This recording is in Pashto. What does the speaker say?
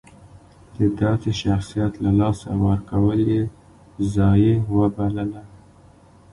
د داسې شخصیت له لاسه ورکول یې ضایعه وبلله.